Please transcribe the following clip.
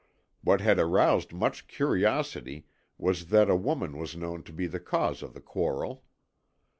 What had aroused much curiosity was that a woman was known to be the cause of the quarrel.